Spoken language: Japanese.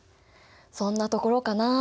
そんなところかな。